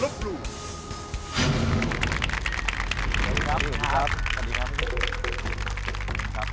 พระอาจารย์ดีครับ